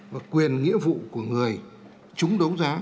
và quyền nghĩa vụ của người trúng đấu giá